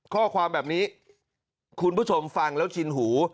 ข้อความแบบนี้คุณผู้ชมฟังแล้วชินหู